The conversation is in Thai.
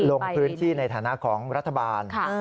ลงพื้นที่ในฐานะของรัฐบาล